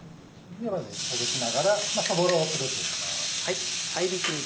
ではほぐしながらそぼろを作っていきます。